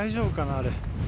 あれ。